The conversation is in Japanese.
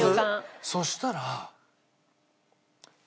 そしたら。